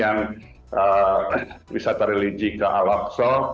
yang wisata religi ke al aqsa